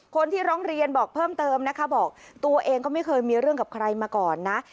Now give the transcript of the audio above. คนที่ร้องเรียนบอกเพิ่มเติมนะคะบอกตัวเองก็ไม่เคยมีเรื่องกับใครมาก่อนนะ